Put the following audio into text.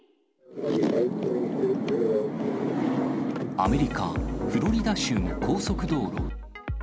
アメリカ・フロリダ週の高速道路。